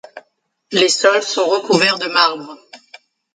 Les sols sont recouverts de marbre.